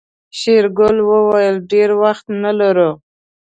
شېرګل وويل ډېر وخت نه لرو.